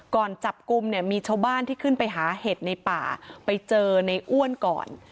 ก่อนจับกลุ่มเนี่ยมีชาวบ้านที่ขึ้นไปหาเห็ดในป่าไปเจอในอ้วนก่อน